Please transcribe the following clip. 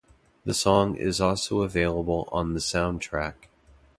The song is also available on the soundtrack.